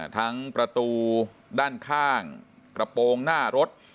ทั้งประตูด้านข้างกระโปรงหน้ารถ